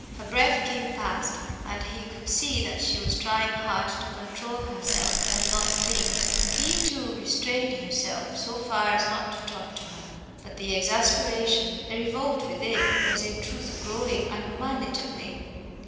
Her breath came fast, and he could see that she was trying hard to control herself and not to faint. He, too, restrained himself so far as not to talk to her. But the exasperation, the revolt within, was in truth growing unmanageably.